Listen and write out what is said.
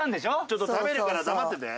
ちょっと食べるから黙ってて。